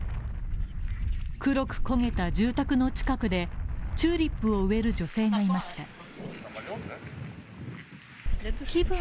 黒く焦げた住宅の近くでチューリップを植える女性がいました。